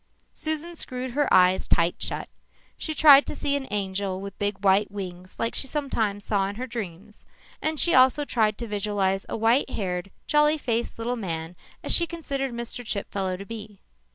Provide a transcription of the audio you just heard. Susan screwed her eyes tight shut. She tried to see an angel with big white wings like she sometimes saw in her dreams and she also tried to visualize a white haired, jolly faced little man as she considered Mr. Chipfellow to be.